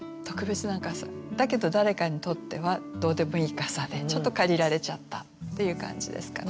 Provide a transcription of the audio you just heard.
だけど誰かにとってはどうでもいい傘でちょっと借りられちゃったっていう感じですかね。